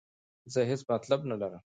زه هیڅ مطلب نه لرم.